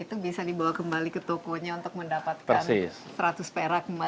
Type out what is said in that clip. itu bisa dibawa kembali ke tokonya untuk mendapatkan seratus perak